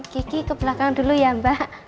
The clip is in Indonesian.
kiki ke belakang dulu ya mbak